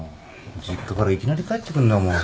実家からいきなり帰ってくんだもん。